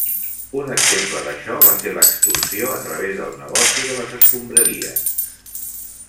Un exemple d'això va ser l'extorsió a través del negoci de les escombraries.